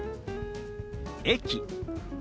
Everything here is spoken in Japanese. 「駅」。